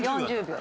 ４０秒。